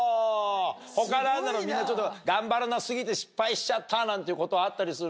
他みんな頑張らな過ぎて失敗しちゃったなんていうことあったりする？